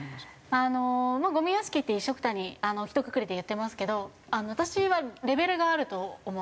あのまあゴミ屋敷って一緒くたにひとくくりで言ってますけど私はレベルがあると思っていて。